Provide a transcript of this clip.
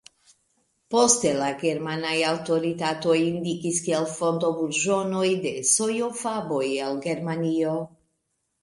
Poste la germanaj aŭtoritatoj indikis kiel fonto burĝonojn de sojo-faboj el Germanio.